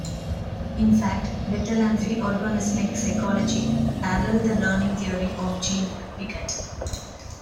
In fact, Bertalanffy's organismic psychology paralleled the learning theory of Jean Piaget.